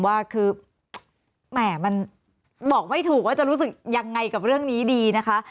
ว่าคือแหม่มันบอกไม่ถูกว่าจะรู้สึกยังไงกับเรื่องนี้ดีนะคะ